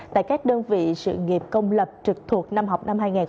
tại các đơn vị sự nghiệp công lập trực thuộc năm học hai nghìn hai mươi hai nghìn hai mươi một